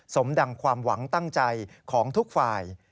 สมดังความหวังตั้งใจของทุกฝ่าย